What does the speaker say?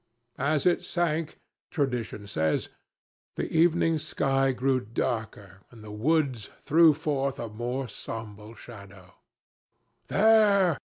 As it sank, tradition says, the evening sky grew darker and the woods threw forth a more sombre shadow. "There!"